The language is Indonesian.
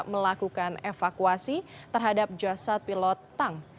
melakukan evakuasi terhadap jasad pilot tang